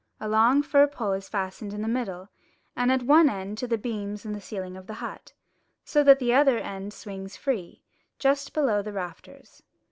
A long fir pole is fastened in the middle and at one end to the beams in the ceiling of the hut, so that the other end swings free, just below the rafters.